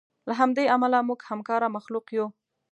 له همدې امله موږ همکاره مخلوق یو.